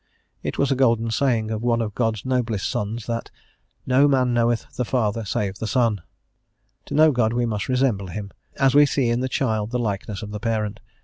It was a golden saying of one of God's noblest sons that "no man knoweth the Father save the Son:" to know God we must resemble Him, as we see in the child the likeness of the parent.